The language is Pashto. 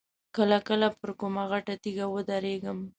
کله کله پر کومه غټه تیږه ودرېږم.